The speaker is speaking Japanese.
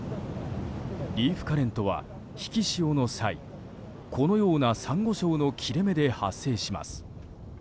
リーフカレントは引き潮の際このようなサンゴ礁の切れ目で発生します。